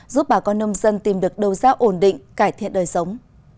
giúp bà con nông dân tìm được đầu giao ổn định cải thiện đời sống